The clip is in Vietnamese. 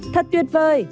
thật tuyệt vời